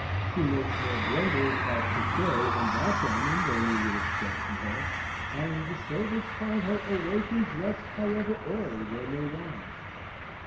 She makes more blunders at piquet and backgammon than you would expect from her; and the servants find her awake and dressed, however early they may rise.